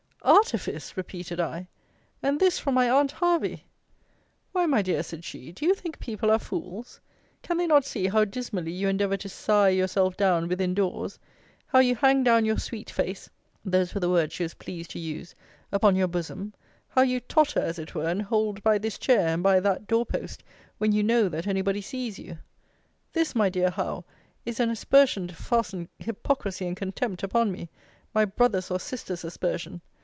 Artifice! repeated I: and this from my aunt Hervey? Why, my dear, said she, do you think people are fools? Can they not see how dismally you endeavour to sigh yourself down within doors? How you hang down your sweet face [those were the words she was pleased to use] upon your bosom? How you totter, as it were, and hold by this chair, and by that door post, when you know that any body sees you? [This, my dear Miss Howe, is an aspersion to fasten hypocrisy and contempt upon me: my brother's or sister's aspersion!